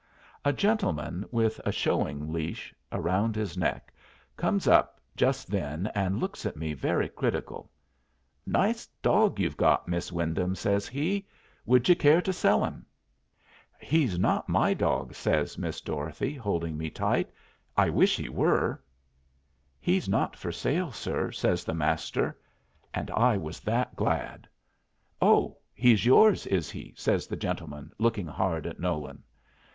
A gentleman with a showing leash around his neck comes up just then and looks at me very critical. "Nice dog you've got, Miss Wyndham," says he; "would you care to sell him?" "He's not my dog," says Miss Dorothy, holding me tight. "I wish he were." "He's not for sale, sir," says the Master, and I was that glad. "Oh, he's yours, is he?" says the gentleman, looking hard at Nolan.